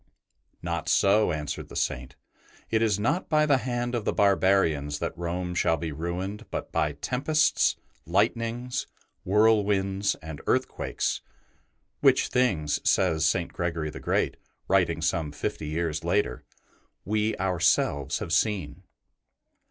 '' Not so," answered the Saint; '' it is not by the hand of the barbarians that Rome shall be ruined, but by tempests, lightnings, whirlwinds, and earthquakes," ST. BENEDICT 89 " which things/' says St. Gregory the Great, writing some fifty years later, '* we ourselves have seen."